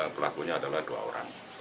pelakunya adalah dua orang